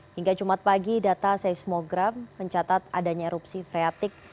hingga jumat pagi data seismogram mencatat adanya erupsi freatik